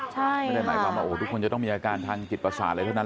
ไม่ได้หมายความว่าทุกคนจะต้องมีอาการทางจิตประสาทอะไรเท่านั้น